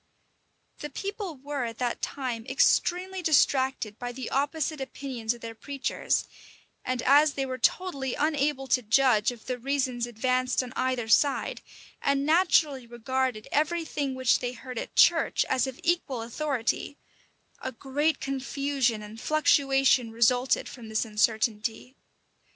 The people were at that time extremely distracted by the opposite opinions of their preachers; and as they were totally unable to judge of the reasons advanced on either side, and naturally regarded every thing which they heard at church as of equal authority, a great confusion and fluctuation resulted from this uncertainty.